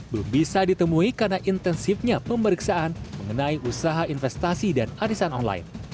belum bisa ditemui karena intensifnya pemeriksaan mengenai usaha investasi dan arisan online